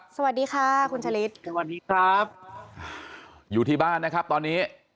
สวัสดีค่ะคุณชะลิดสวัสดีครับอยู่ที่บ้านนะครับตอนนี้